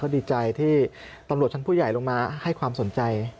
ดีใจที่ตำรวจชั้นผู้ใหญ่ลงมาให้ความสนใจ